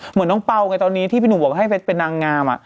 เหมือนต้องเป้าแก้ตอนนี้ที่ณุบอกให้เป็นนางงามอะ